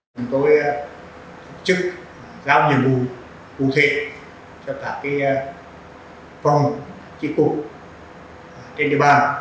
chúng tôi thực chức giao nhiệm vụ cụ thể cho cả phòng trị cụ trên địa bàn